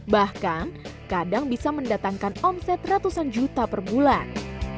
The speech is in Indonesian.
bahkan kadang bisa mendatangkan omset ratusan juta per bulan